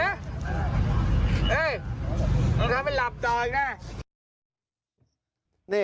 เอ๊ยน่าไว้หลับจ่อยอย่างนี้